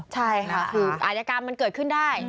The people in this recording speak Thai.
ใช่ค่ะคืออายกรรมมันเกิดขึ้นได้